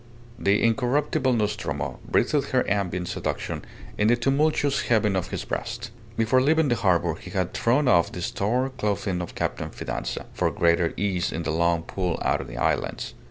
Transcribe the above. The incorruptible Nostromo breathed her ambient seduction in the tumultuous heaving of his breast. Before leaving the harbour he had thrown off the store clothing of Captain Fidanza, for greater ease in the long pull out to the islands.